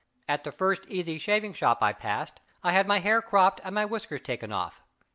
At the first easy shaving shop I passed, I had my hair cropped and my whiskers taken off.